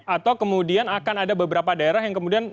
atau kemudian akan ada beberapa daerah yang kemudian